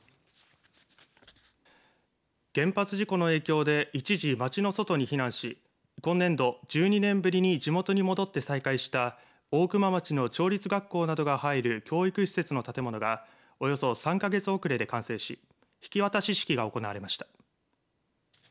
原発事故の影響で一時、町の外に避難し今年度１２年ぶりに地元に戻って再開した大熊町の町立学校などが入る教育施設の建物がおよそ３か月遅れで完成し引き渡し式が行われました。